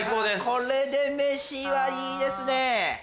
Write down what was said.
これで飯はいいですね。